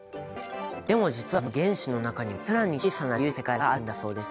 でも実はこの原子の中にも更に小さな粒子の世界があるんだそうです。